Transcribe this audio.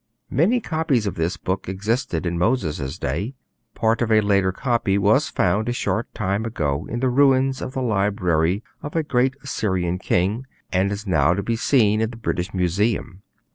Many copies of this book existed in Moses' day; part of a later copy was found a short time ago in the ruins of the library of a great Assyrian king, and is now to be seen in the British Museum.